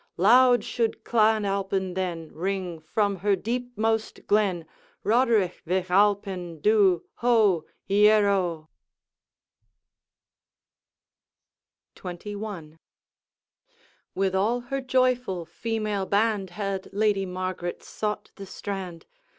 Loud should Clan Alpine then Ring from her deepmost glen, Roderigh Vich Alpine dhu, ho! ieroe!' XXI. With all her joyful female band Had Lady Margaret sought the strand.